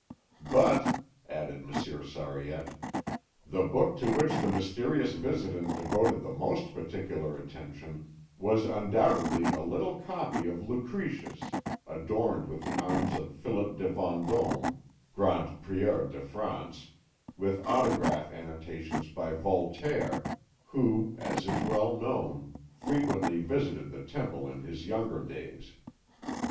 "But," added Monsieur Sariette, "the book to which the mysterious visitant devoted the most particular attention was undoubtedly a little copy of Lucretius adorned with the arms of Philippe de Vendôme, Grand Prieur de France, with autograph annotations by Voltaire, who, as is well known, frequently visited the Temple in his younger days.